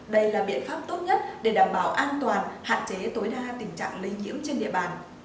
đây là biện pháp tốt nhất để đảm bảo an toàn hạn chế tối đa tình trạng lây nhiễm trên địa bàn